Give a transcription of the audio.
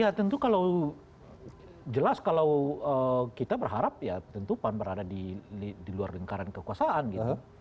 ya tentu kalau jelas kalau kita berharap ya tentu pan berada di luar lingkaran kekuasaan gitu